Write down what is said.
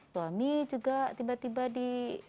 suami juga tiba tiba di